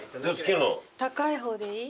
高い方でいい？